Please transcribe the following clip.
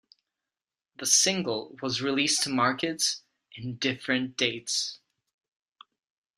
The single was released to markets in different dates.